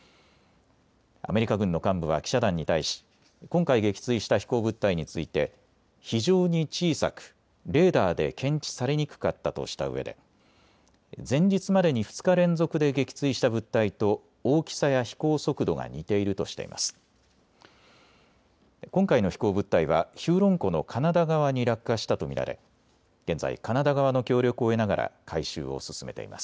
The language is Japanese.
アメリカ軍の幹部は記者団に対し今回、撃墜した飛行物体について非常に小さくレーダーで検知されにくかったとしたうえで前日までに２日連続で撃墜した物体と大きさや飛行速度が似ているとしています。